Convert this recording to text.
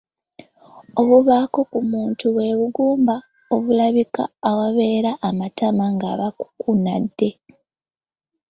Obubakko ku muntu bwe bugumba obulabika awabeera amatama nga bukukunadde.